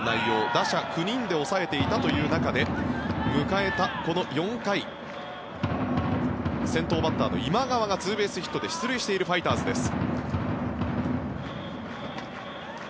打者９人で抑えていたという中で迎えたこの４回先頭バッターの今川がツーベースヒットで出塁しているファイターズです。